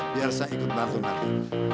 biar saya ikut bantu nanti